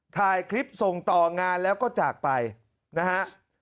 ถ่ายคลิปส่งต่องานแล้วก็จากไปนะฮะ